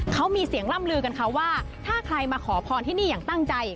เขามีเสียงล่ำลือกันค่ะว่าถ้าใครมาขอพรที่นี่อย่างตั้งใจ